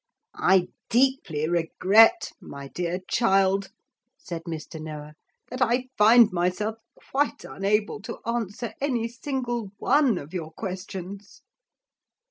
'I deeply regret, my dear child,' said Mr. Noah, 'that I find myself quite unable to answer any single one of your questions.'